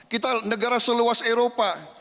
kita negara seluas eropa